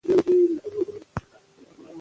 رښتیا باید ومنو.